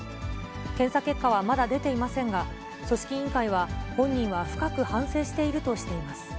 検査結果はまだ出ていませんが、組織委員会は、本人は深く反省しているとしています。